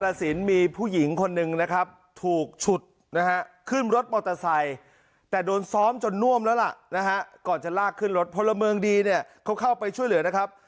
สินมีผู้หญิงคนหนึ่งนะครับถูกฉุดนะฮะขึ้นรถมอเตอร์ไซค์แต่โดนซ้อมจนน่วมแล้วล่ะนะฮะก่อนจะลากขึ้นรถพลเมืองดีเนี่ยเขาเข้าไปช่วยเหลือนะครับ